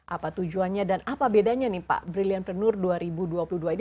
apa tujuannya dan apa bedanya nih pak brilliantpreneur dua ribu dua puluh dua ini